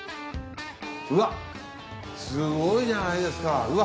うわっすごいじゃないですかうわ。